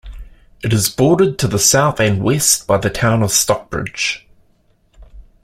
It is bordered to the south and west by the town of Stockbridge.